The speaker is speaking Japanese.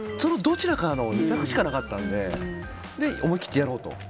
その２択しかなかったので思い切ってやろうと。